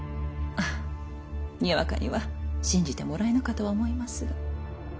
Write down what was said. にわかには信じてはもらえぬかと思いますが。